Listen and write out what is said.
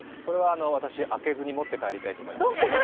私、開けずに持って帰りたいと思います。